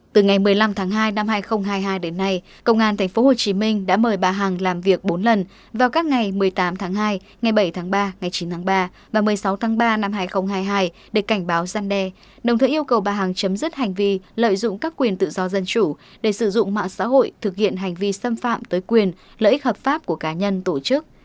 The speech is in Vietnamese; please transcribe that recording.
từ ngày một mươi năm tháng hai năm hai nghìn hai mươi hai đến nay công an tp hcm đã mời bà hằng làm việc bốn lần vào các ngày một mươi tám tháng hai ngày bảy tháng ba ngày chín tháng ba và một mươi sáu tháng ba năm hai nghìn hai mươi hai để cảnh báo gian đe đồng thời yêu cầu bà hằng chấm dứt hành vi lợi dụng các quyền tự do dân chủ để sử dụng mạng xã hội thực hiện hành vi xâm phạm tới quyền lợi ích hợp pháp của cá nhân tổ chức